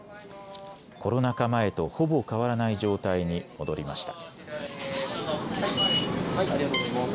コロナ禍前とほぼ変わらない状態に戻りました。